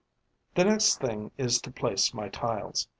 The next thing is to place my tiles.